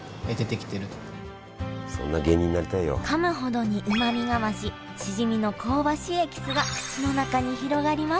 かむほどにうまみが増ししじみの香ばしいエキスが口の中に広がります